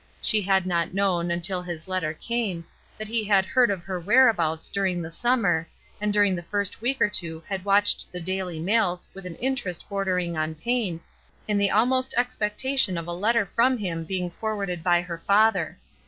She had not known, until his letter came, that he had 254 ESTER RIED^S NAMESAKE heard of her whereabouts during the summer, and during the first week or two had watched the daily mails with an interest bordering on pain, in the almost expectation of a letter from him being forwarded by her father.